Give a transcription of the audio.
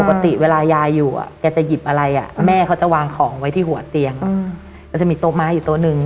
ปกติเวลายายอยู่แกจะหยิบอะไรแม่เขาจะวางของไว้ที่หัวเตียงแล้วจะมีโต๊ะม้าอยู่โต๊ะหนึ่ง